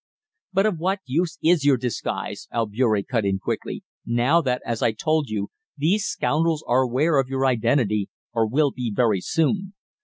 "But of what use is your disguise," Albeury cut in quickly, "now that, as I told you, these scoundrels are aware of your identity, or will be very soon?